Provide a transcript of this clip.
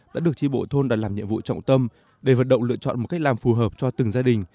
đã được tri bộ thôn đã làm nhiệm vụ trọng tâm để vận động lựa chọn một cách làm phù hợp cho từng gia đình